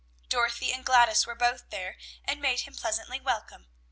Dorothy and Gladys were both there, and made him pleasantly welcome.